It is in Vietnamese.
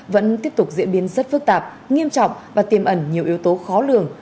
vẫn tiếp tục diễn biến rất phức tạp nghiêm trọng và tiềm ẩn nhiều yếu tố khó lường